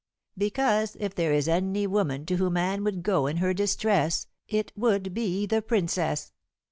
"Because if there is any woman to whom Anne would go in her distress, it would be the Princess.